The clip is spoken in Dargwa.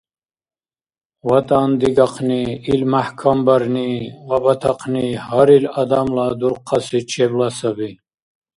ВатӀан дигахъни, ил мяхӀкамбарни ва батахъни гьарил адамла дурхъаси чебла саби.